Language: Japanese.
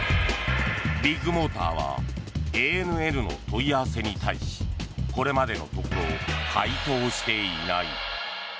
ビッグモーターはＡＮＮの問い合わせに対しこれまでのところ回答していない。